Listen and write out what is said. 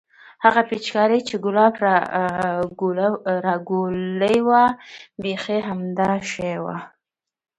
هغه پيچکارۍ چې ګلاب رالګولې وه بيخي همدا شى وه.